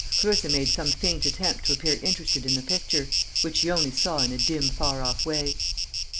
Clarissa made some faint attempt to appear interested in the picture, which she only saw in a dim far off way.